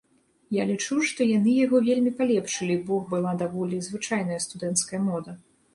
Я лічу, што яны яго вельмі палепшылі, бо была даволі звычайная студэнцкая мода.